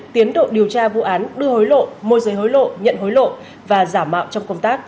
tiến độ điều tra vụ án đưa hối lộ môi giới hối lộ nhận hối lộ và giả mạo trong công tác